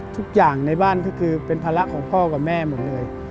ทุกอย่างในบ้านก็คือเป็นภาระของพ่อกับแม่หมดเลย